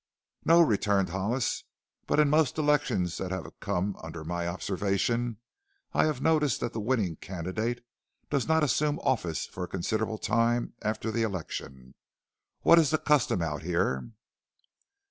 "No," returned Hollis, "but in most elections that have come under my observation, I have noticed that the winning candidate does not assume office for a considerable time after the election. What is the custom out here?"